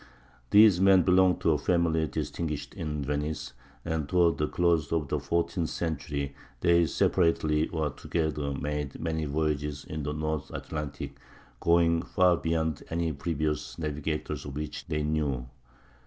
These men belonged to a family distinguished in Venice; and toward the close of the fourteenth century they separately or together made many voyages in the North Atlantic, going far beyond any previous navigators of which they knew.